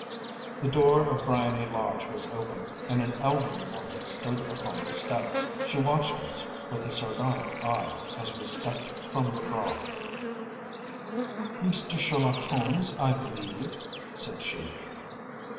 The door of Briony Lodge was open, and an elderly woman stood upon the steps. She watched us with a sardonic eye as we stepped from the brougham. “Mr. Sherlock Holmes, I believe?‚ÄĚ said she.